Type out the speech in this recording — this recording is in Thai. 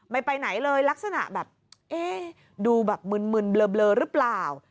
ไปไหนเลยลักษณะแบบเอ๊ะดูแบบมึนเบลอหรือเปล่า